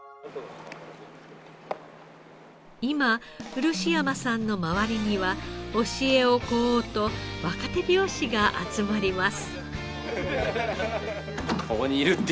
今漆山さんの周りには教えを請おうと若手漁師が集まります。